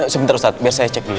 sebentar ustadz biar saya cek dulu